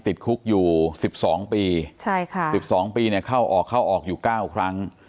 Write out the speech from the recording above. ติดคุกอยู่๑๒ปีใช่ค่ะ๑๒ปีเนี่ยเข้าออกเข้าออกอยู่๙ครั้ง